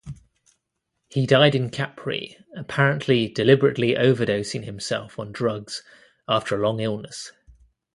He died in Capri, apparently deliberately overdosing himself on drugs after a long illness.